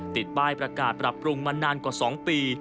ติดป้ายประกาศปรับปรุงมานานกว่า๒ปี